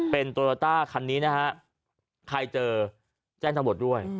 เป็นโตโยต้าคันนี้นะฮะใครเจอแจ้งตำรวจด้วย